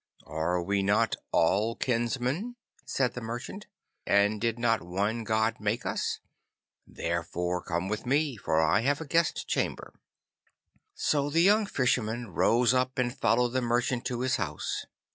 'Are we not all kinsmen?' said the merchant. 'And did not one God make us? Therefore come with me, for I have a guest chamber.' So the young Fisherman rose up and followed the merchant to his house.